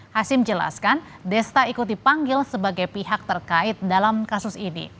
hashim jelaskan desta ikuti panggil sebagai pihak terkait dalam kasus ini